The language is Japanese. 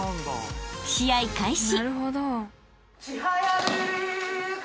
［試合開始］